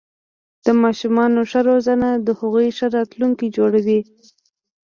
د ماشومانو ښه روزنه د هغوی ښه راتلونکې جوړوي.